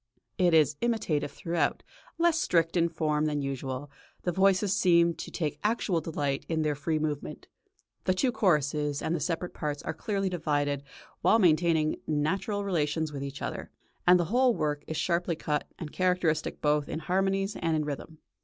It is imitative throughout, less strict in form than usual; the voices seem to take actual delight in their free movement; the two choruses and the separate parts are clearly divided while maintaining natural relations with each other, and the whole work is sharply cut and characteristic both in harmonies and in rhythm.